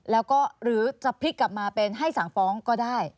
แล้วก็หรือจะพลิกกลับมาเป็นให้สั่งฟ้องก็ได้